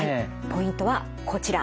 ポイントはこちら。